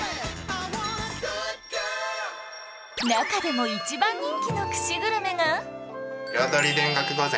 中でも一番人気の串グルメが